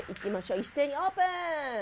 一斉にオープン！